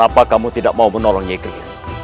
apa kamu tidak mau menolongnya igris